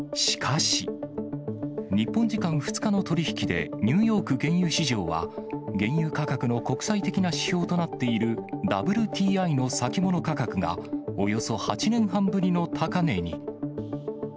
しかし、日本時間２日の取り引きで、ニューヨーク原油市場は、原油価格の国際的な指標となっている、ＷＴＩの先物価格が、およそ８年半ぶりの高値に。